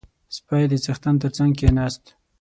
• سپی د څښتن تر څنګ کښېناست.